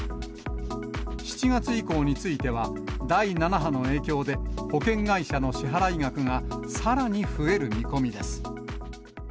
７月以降については、第７波の影響で、保険会社の支払い額がさらに増える見込みです。